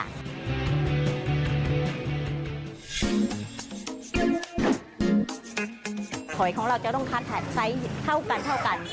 หอยของเราจะต้องคัดไซส์เท่ากัน